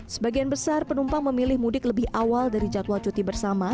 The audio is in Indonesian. sebagian besar penumpang memilih mudik lebih awal dari jadwal cuti bersama